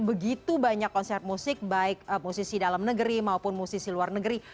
begitu banyak konser musik baik musisi dalam negeri maupun musisi luar negeri